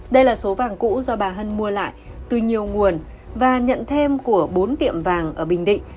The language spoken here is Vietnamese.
đây là số vàng cũ do bà hân mua lại từ nhiều nguồn và nhận thêm của bốn tiệm vàng ở bình định